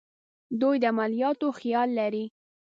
دوی د عملیاتو خیال لري.